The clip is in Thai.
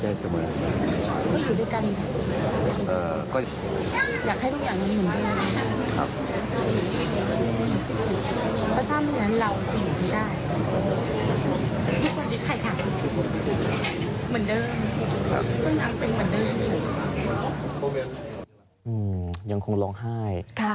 อื้มมยังคงร้องไห้